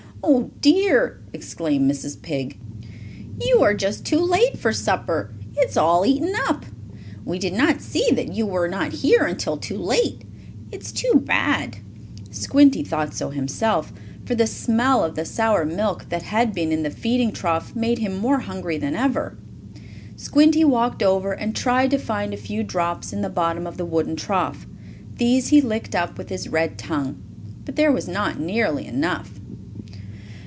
"Oh dear!" exclaimed Mrs. Pig. "You are just too late for supper. It is all eaten up. We did not see that you were not here until too late. It's too bad!" Squinty thought so himself, for the smell of the sour milk that had been in the feeding trough made him more hungry than ever. Squinty walked over and tried to find a few drops in the bottom of the wooden trough. These he licked up with his red tongue. But there was not nearly enough.